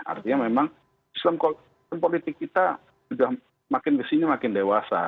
artinya memang sistem politik kita sudah makin kesini makin dewasa